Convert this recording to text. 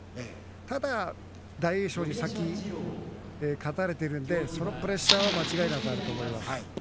ただ、大栄翔に先に勝たれているのでそのプレッシャーはあると思います。